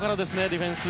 ディフェンス。